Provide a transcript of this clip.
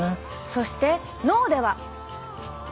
そして脳では。